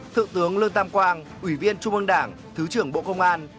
thượng tướng lương tam quang ủy viên trung ương đảng thứ trưởng bộ công an